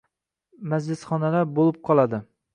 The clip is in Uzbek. majlisxonalar bo‘lib qoladi.